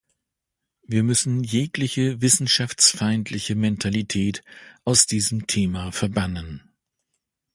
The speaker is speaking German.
Wir müssen jegliche wissenschaftsfeindliche Mentalität aus diesem Thema verbannen.